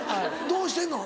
どうしてんの？